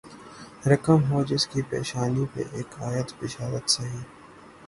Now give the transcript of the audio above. رقم ہو جس کی پیشانی پہ اک آیت بشارت سی